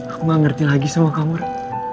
aku gak ngerti lagi sama kamu rara